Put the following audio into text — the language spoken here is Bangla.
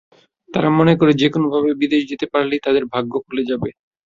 তারা মনে করে, যেকোনোভাবেই বিদেশ যেতে পারলেই তাদের ভাগ্য খুলে যাবে।